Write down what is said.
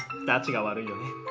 たちが悪いよね。